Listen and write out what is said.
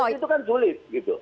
itu kan sulit gitu